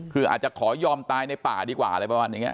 คืออาจจะขอยอมตายในป่าดีกว่าอะไรประมาณอย่างนี้